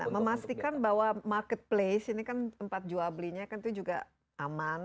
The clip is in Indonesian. memastikan bahwa marketplace ini kan tempat jual belinya kan itu juga aman